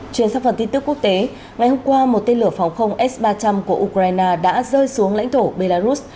chuyển sang phần tin tức quốc tế ngày hôm qua một tên lửa phòng không s ba trăm linh của ukraine đã rơi xuống lãnh thổ belarus